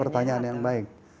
pertanyaan yang baik